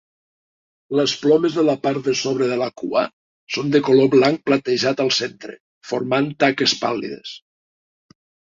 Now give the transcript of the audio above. Les plomes de la part de sobre de la cua són de color blanc platejat al centre, formant taques pàl·lides.